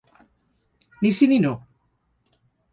Ni sí ni no.